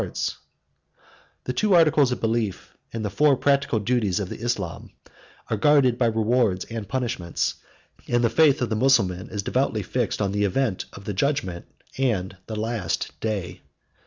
] The two articles of belief, and the four practical duties, of Islam, are guarded by rewards and punishments; and the faith of the Mussulman is devoutly fixed on the event of the judgment and the last day.